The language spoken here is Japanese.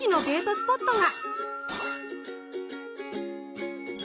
スポットが！